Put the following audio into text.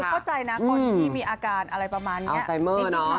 คือเข้าใจนะคนที่มีอาการอะไรประมาณเนี่ยอัลไซเมอร์เนาะ